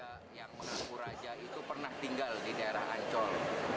warga yang mengaku raja itu pernah tinggal di daerah ancol